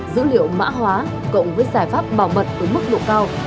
dữ liệu mã hóa cộng với giải pháp bảo mật ở mức độ cao